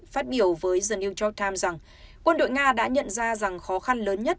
phát biểu với the new york times rằng quân đội nga đã nhận ra rằng khó khăn lớn nhất